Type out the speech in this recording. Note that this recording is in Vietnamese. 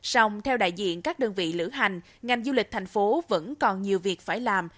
sông theo đại diện các đơn vị lữ hành ngành du lịch thành phố vẫn còn nhiều việc phải làm